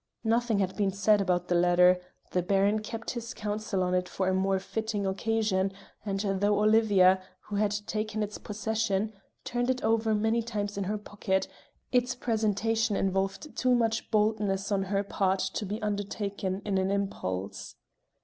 Nothing had been said about the letter; the Baron kept his counsel on it for a more fitting occasion, and though Olivia, who had taken its possession, turned it over many times in her pocket, its presentation involved too much boldness on her part to be undertaken in an impulse.